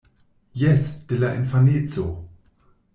Jes, de la infaneco!